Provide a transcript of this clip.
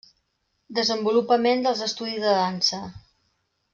Desenvolupament dels estudis de Dansa.